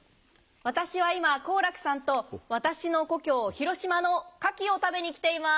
私は今好楽さんと私の故郷広島の牡蠣を食べに来ています。